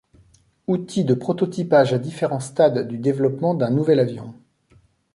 Outil de prototypage à différents stades du développement d'un nouvel avion.